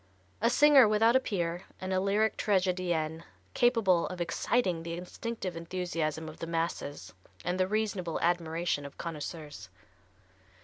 A singer without a peer, and a lyric tragedienne capable of exciting the instinctive enthusiasm of the masses and the reasonable admiration of connoisseurs.